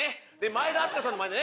前田敦子さんのマネね。